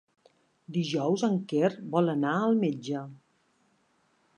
Dijous en Quer vol anar al metge.